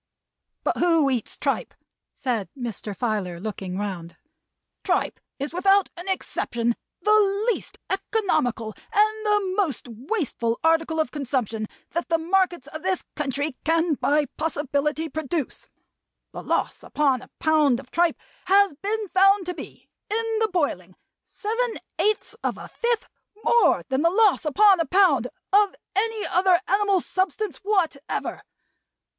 "But who eats tripe?" said Mr. Filer, looking round. "Tripe is without an exception the least economical, and the most wasteful article of consumption that the markets of this country can by possibility produce. The loss upon a pound of tripe has been found to be, in the boiling, seven eighths of a fifth more than the loss upon a pound of any other animal substance whatever.